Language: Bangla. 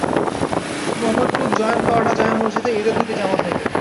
মোহাম্মদপুর জয়েন্ট কোয়ার্টার জামে মসজিদে ঈদের দুটি জামাত হবে।